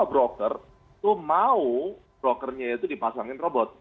broker itu mau brokernya itu dipasangin robot